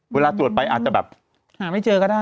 เวลาถูกไปที่ประสิทธิภาพอาจจะแบบ